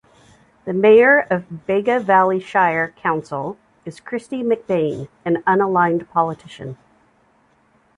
The Mayor of Bega Valley Shire Council is Kristy McBain, an unaligned politician.